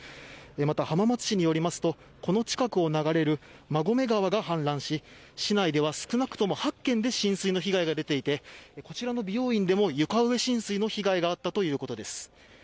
また、浜松市によりますとこの近くを流れる馬込川が氾濫し市内では少なくとも８軒で浸水の被害が出ていてこちらの美容院でも床上浸水の被害があったということです。